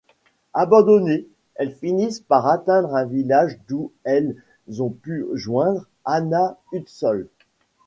Abandonnées, elles finissent par atteindre un village d'où elles ont pu joindre Anna Hutsol.